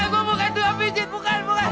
gua bukan doang bijit bukan bukan